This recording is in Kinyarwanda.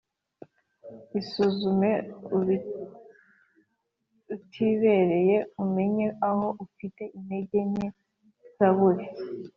Isuzume utibereye umenye aho ufite intege nke Zaburi